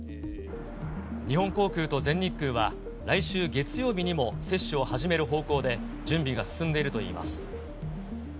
日本航空と全日空は、来週月曜日にも接種を始める方向で準備が進んでいるといいます。